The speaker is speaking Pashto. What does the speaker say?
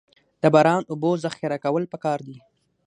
د باران اوبو ذخیره کول پکار دي